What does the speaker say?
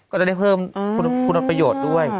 ก็จะได้เพิ่มคุณประโยชน์ด้วย